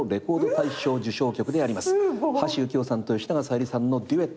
橋幸夫さんと吉永小百合さんのデュエット。